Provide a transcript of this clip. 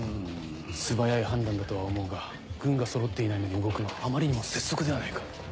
素早い判断だとは思うが軍がそろっていないのに動くのはあまりにも拙速ではないか？